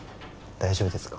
大丈夫ですか？